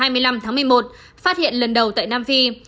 phát hiện lần đầu tại nam phi